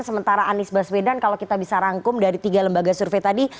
sementara anies baswedan kalau kita bisa rangkum dari tiga lembaga survei tadi